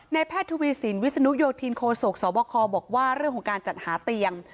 แพทย์ทวีสินวิศนุโยธินโคศกสบคบอกว่าเรื่องของการจัดหาเตียง